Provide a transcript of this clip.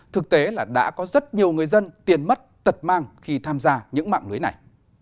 thực tế là đã có rất nhiều người dân tiền mất tật mang khi tham gia những mạng lưới này